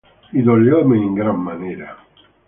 Y dolióme en gran manera;